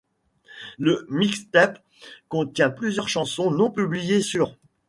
La mixtape contient plusieurs chansons non publiées sur '.